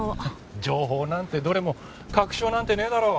情報なんてどれも確証なんてねえだろ。